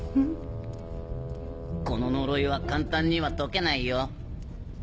この呪いは簡単には解けないよ。